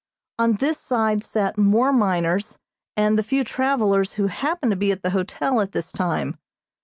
On this side sat more miners and the few travelers who happened to be at the hotel at this time.